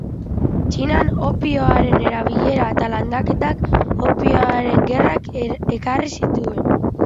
Txinan, opioaren erabilera eta landaketak Opioaren Gerrak ekarri zituen.